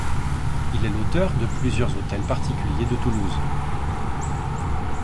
Il est l'auteur de plusieurs hôtels particuliers de Toulouse.